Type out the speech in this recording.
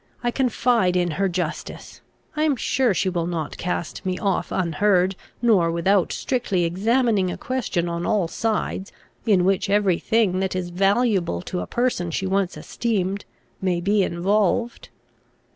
I confide in her justice. I am sure she will not cast me off unheard, nor without strictly examining a question on all sides, in which every thing that is valuable to a person she once esteemed, may be involved."